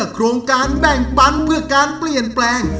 โครงการแบ่งปันเพื่อการเปลี่ยนแปลง